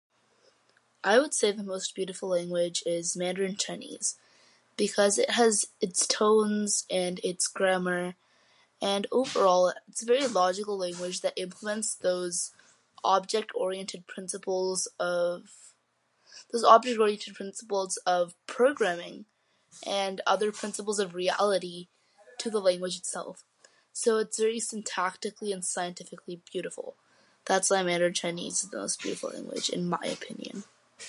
I would say the most beautiful language is Mandarin Chinese because it has its tones and its grammar and overall it's a very logical language that implements those object-oriented principles of... those object-oriented principles of programming and other principles of reality to the language itself. So, it's very syntactically and scientifically beautiful. That's why Mandarin Chinese is the most beautiful language, in my opinion.